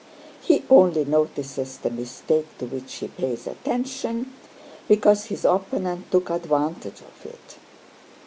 He only notices the mistake to which he pays attention, because his opponent took advantage of it.